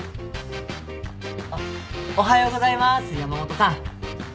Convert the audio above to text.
あっおはようございます山本さん。